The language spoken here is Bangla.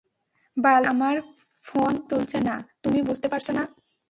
বাল সে আমার ফোন তুলছে না তুমি বুঝতে পারছো না?